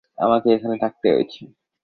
আমাকে এখানে থাকতে হয়েছে।